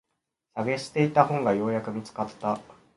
探していた本がようやく見つかった。